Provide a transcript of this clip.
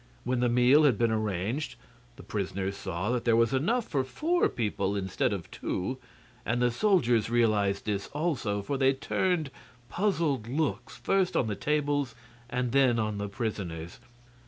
When the meal had been arranged the prisoners saw that there was enough for four people instead of two; and the soldiers realized this also, for they turned puzzled looks first on the tables and then on the prisoners.